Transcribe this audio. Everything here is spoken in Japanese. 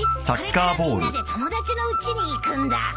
これからみんなで友達のうちに行くんだ。